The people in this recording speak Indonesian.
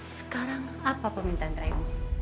sekarang apa permintaan terakhir